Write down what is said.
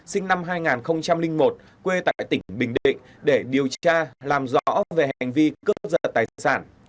sinh năm hai nghìn một quê tại tỉnh bình định để điều tra làm rõ về hành vi cướp giật tài sản